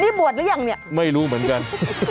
นี่บวชหรือยังเนี่ยไม่รู้เหมือนกัน